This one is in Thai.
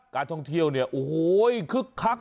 การท่องเที่ยวเนี่ยโอ้โหคึกคัก